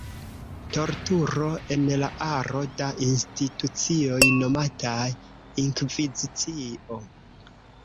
Torturo en la aro da institucioj nomataj “Inkvizicio”.